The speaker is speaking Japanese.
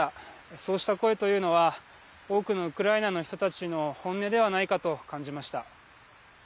そうした声というのは多くのウクライナの人たちの本音ではないかと感じました。